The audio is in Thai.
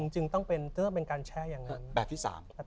จึงต้องเป็นการแช่อย่างนั้น